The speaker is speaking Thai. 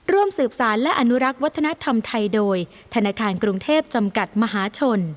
ร่วมสืบสารและอนุรักษ์วัฒนธรรมไทยโดยธนาคารกรุงเทพจำกัดมหาชน